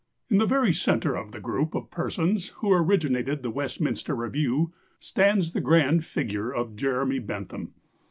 ] "In the very centre of the group of persons who originated the Westminster Review stands the grand figure of Jeremy Bentham.